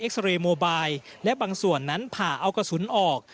ซาเรย์โมบายและบางส่วนนั้นผ่าเอากระสุนออก